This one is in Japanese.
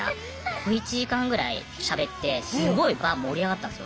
小１時間ぐらいしゃべってすごい場盛り上がったんですよ。